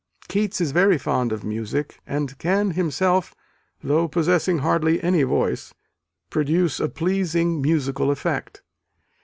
Keats is very fond of music, and can himself, though possessing hardly any voice, "produce a pleasing musical effect."